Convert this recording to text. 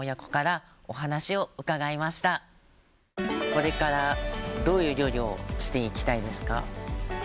これからどういう漁業をしていきたいですか？